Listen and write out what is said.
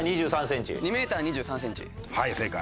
はい正解。